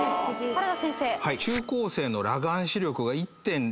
原田先生。